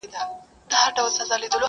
جنون مو مبارک سه زولنې دي چي راځي!.